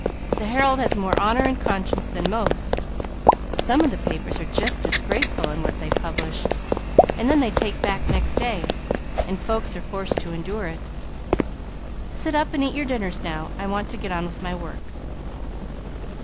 The Herald has more honour and conscience than most; some of the papers are just disgraceful in what they publish, and then take back next day; while folks are forced to endure it. Sit up and eat your dinners now. I want to get on with my work."